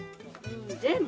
全部。